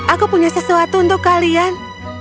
aku punya sesuatu untuk kalian